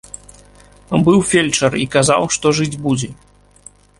Быў фельчар і казаў, што жыць будзе.